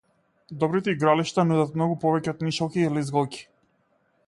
Добрите игралишта нудат многу повеќе од нишалки и лизгалки.